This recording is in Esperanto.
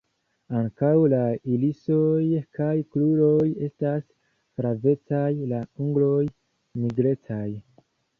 Ankaŭ la irisoj kaj kruroj estas flavecaj; la ungoj nigrecaj.